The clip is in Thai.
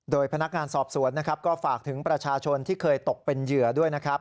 โดยพนักงานสอบสวนนะครับก็ฝากถึงประชาชนที่เคยตกเป็นเหยื่อด้วยนะครับ